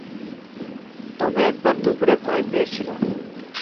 তবে একবার দুপুরে ভয় পেয়েছিল।